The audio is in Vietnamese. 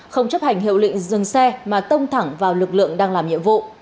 không chấp hành hiệu lịnh dừng xe mà tông thẳng vào lực lượng đang làm nhiệm vụ